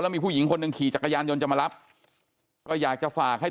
มีผู้หญิงคนหนึ่งขี่จักรยานยนต์จะมารับก็อยากจะฝากให้